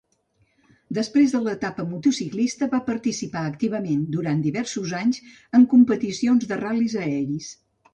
Després de l'etapa motociclista, va participar activament durant diversos anys en competicions de ral·lis aeris.